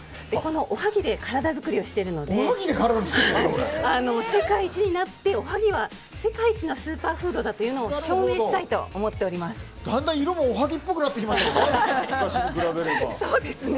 おはぎで体作りをしているので世界一になって、おはぎは世界一のスーパーフードだとだんだん色もおはぎっぽくなってきましたね。